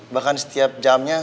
bahkan setiap jamnya